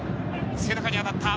背中に当たった。